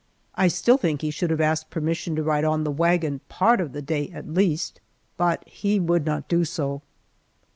I still think that he should have asked permission to ride on the wagon, part of the day at least, but he would not do so.